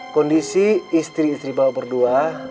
kondisi istri istri bapak berdua